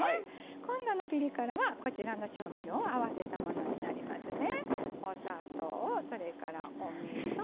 今度のピリ辛はこちらの調味料を合わせたものになりますね。